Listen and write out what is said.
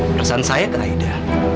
perasaan saya ke aida